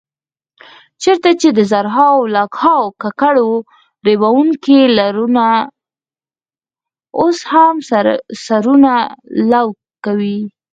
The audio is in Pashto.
چېرته چې د زرهاو او لکهاوو ککرو ریبونکي لرونه اوس هم سرونه لو کوي.